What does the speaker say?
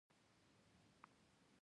په پروژه کې د فعالیتونو ختم هم مشخص وي.